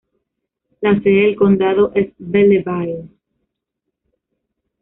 La sede del condado es Belleville.